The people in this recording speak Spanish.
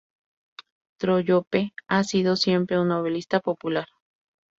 Trollope ha sido siempre un novelista popular.